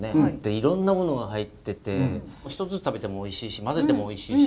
いろんなものが入ってて１つずつ食べてもおいしいし混ぜてもおいしいし。